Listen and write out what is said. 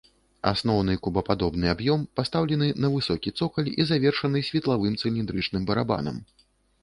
Асноўны кубападобны аб'ём пастаўлены на высокі цокаль і завершаны светлавым цыліндрычным барабанам.